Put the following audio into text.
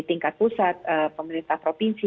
tingkat pusat pemerintah provinsi